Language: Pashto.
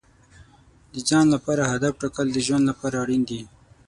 د ځان لپاره هدف ټاکل د ژوند لپاره اړین دي.